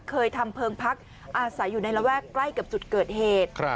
เคยทำเพลิงพักอาศัยอยู่ในระแวกใกล้กับจุดเกิดเหตุ